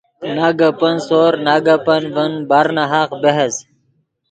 نہ گپن سور نہ گپن ڤین برناحق بحث